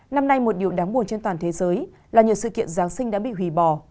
năm nay một điều đáng buồn trên toàn thế giới là nhờ sự kiện giáng sinh đã bị hủy bỏ